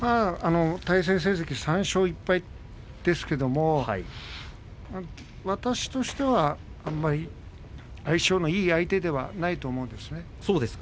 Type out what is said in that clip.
対戦成績３勝１敗ですけれども私としてはあまり相性のいい相手ではないと思うんですよね。